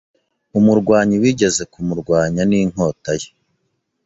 umurwanyi wigeze kumurwanya ninkota ye